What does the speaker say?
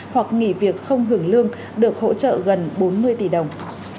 hoặc nghỉ việc không hưởng lương được hỗ trợ gần bốn mươi tỷ đồng